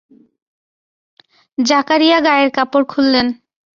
জাকারিয়া গায়ের কাপড় খুললেন।